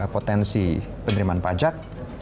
potensi penerimaan pajak